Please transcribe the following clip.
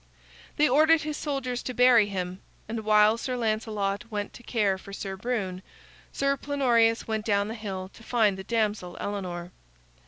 They ordered his soldiers to bury him, and while Sir Lancelot went to care for Sir Brune, Sir Plenorius went down the hill to find the damsel Elinor.